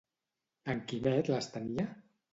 En Quimet les tenia?